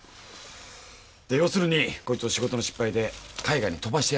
で要するにこいつを仕事の失敗で海外に飛ばしてやりゃいいんだろ？